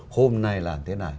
hôm nay làm thế này